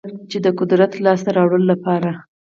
چې د قدرت لاسته راوړلو لپاره